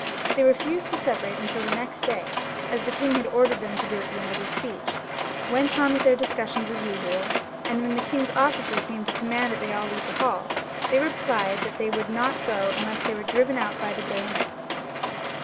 They refused to separate until the next day, as the king had ordered them to do at the end of his speech, went on with their discussions as usual, and when the king's officer came to command them to leave the hall, they replied that they would not go unless they were driven out by the bayonet.